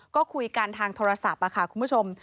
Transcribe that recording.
ก็คุยกันทางโทรศัพท์ค่ะคุณผู้ชม